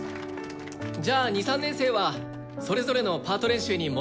じゃあ２３年生はそれぞれのパート練習に戻ってください。